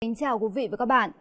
xin chào quý vị và các bạn